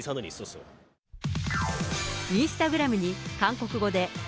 インスタグラムに韓国語で＃